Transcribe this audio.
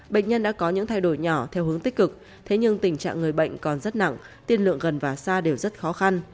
bệnh nhân đã có những thay đổi nhỏ theo hướng tích cực thế nhưng tình trạng người bệnh còn rất nặng tiên lượng gần và xa đều rất khó khăn